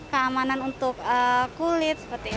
keamanan untuk kulit seperti ini